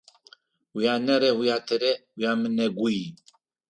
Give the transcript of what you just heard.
Уянэрэ уятэрэ уямынэгуй.